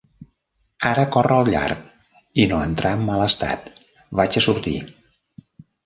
Ara corre al llarg, i no entrar en mal estat. Vaig a sortir.